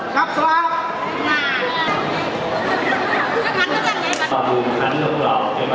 สวัสดีครับสวัสดีครับ